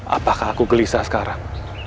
apakah aku gelisah sekarang